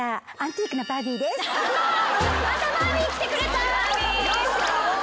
またバービー来てくれた！